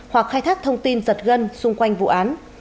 hoặc khai thác thông tin giật gân xung quanh vụ án